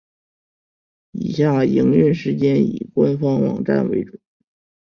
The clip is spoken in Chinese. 以下营运时间以官方网站为准。